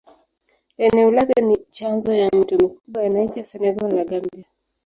Eneo lake ni chanzo ya mito mikubwa ya Niger, Senegal na Gambia.